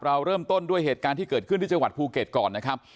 เราเริ่มต้นด้วยเหตุการณ์ที่เกิดขึ้นที่จังหวัดภูเก็ตก่อนนะครับ